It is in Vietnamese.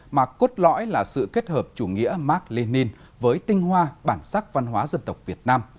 mà cốt lõi là sự kết hợp chủ nghĩa mark lenin với tinh hoa bản sắc văn hóa dân tộc việt nam